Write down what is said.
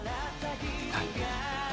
はい。